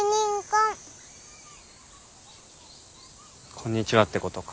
「こんにちは」ってことか。